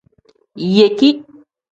Yeki.